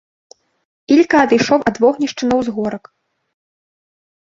Ілька адышоў ад вогнішча на ўзгорак.